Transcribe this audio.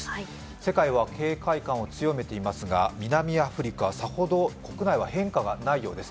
世界は警戒感を強めていますが、南アフリカはさほど国内は変化がないようです。